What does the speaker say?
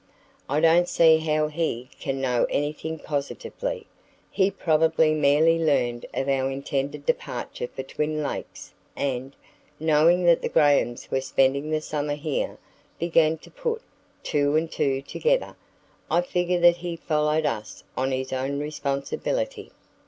I don't see how he can know anything positively. He probably merely learned of our intended departure for Twin Lakes and, knowing that the Grahams were spending the summer here, began to put two and two together. I figure that he followed us on his own responsibility."